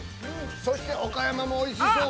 そして岡山もおいしそう。